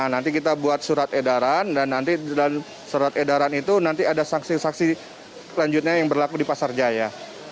nanti kita buat surat edaran dan nanti dalam surat edaran itu nanti ada sanksi sanksi lanjutnya yang berlaku di pasar jaya